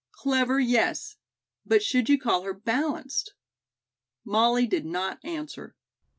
"Clever, yes. But should you call her balanced?" Molly did not answer.